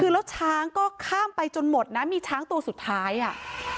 คือแล้วช้างก็ข้ามไปจนหมดนะมีช้างตัวสุดท้ายอ่ะ